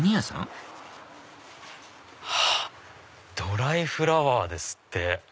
「ドライフラワー」ですって。